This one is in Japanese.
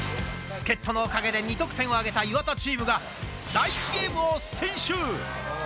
助っ人のおかげで２得点を挙げた岩田チームが、第１ゲームを先取。